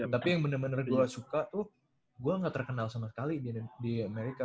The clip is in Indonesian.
tapi yang bener bener gua suka tuh gua gak terkenal sama sekali di amerika